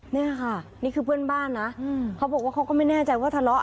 เนี่ยค่ะนี่คือเพื่อนบ้านนะเขาบอกว่าเขาก็ไม่แน่ใจว่าทะเลาะ